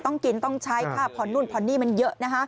ต้องกินต้องใช้พอนู่นพอนี่มันเยอะ